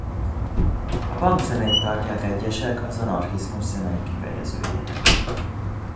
A punk zenét tartják egyesek az anarchizmus zenei kifejezőjének.